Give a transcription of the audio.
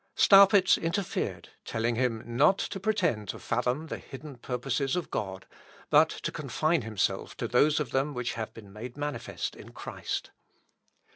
Staupitz interfered, telling him not to pretend to fathom the hidden purposes of God, but to confine himself to those of them which have been made manifest in Christ.